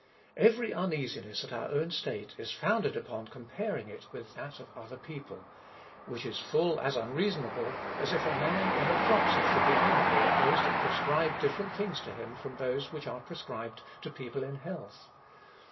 ^22 A SERIOUS CALL TO A Every uneasiness at our own state is founded upoR "comparing it with that of other people ; which is full as unreasonable^ as if a man in a dropsy should be angry at those that prescribe different things to him from those which are prescribed to people in health.